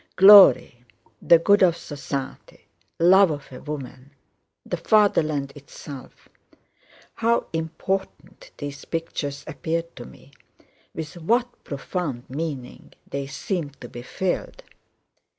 Glory, the good of society, love of a woman, the Fatherland itself—how important these pictures appeared to me, with what profound meaning they seemed to be filled!